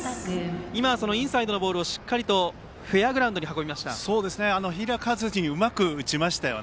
今、インサイドのボールをしっかりフェアグラウンドに開かずにうまく打ちました。